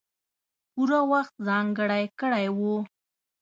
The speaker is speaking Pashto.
پوره وخت ځانګړی کړی وو.